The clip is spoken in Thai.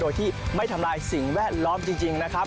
โดยที่ไม่ทำลายสิ่งแวดล้อมจริงนะครับ